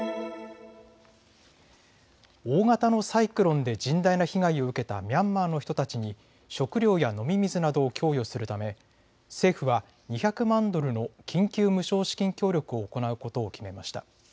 大型のサイクロンで甚大な被害を受けたミャンマーの人たちに食料や飲み水などを供与するため政府は２００万ドルの緊急無償資金協力を行うことを決めました。